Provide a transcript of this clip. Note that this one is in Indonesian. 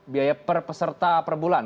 biaya per peserta per bulan